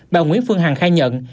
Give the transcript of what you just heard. bà nguyễn phương hằng khai nhận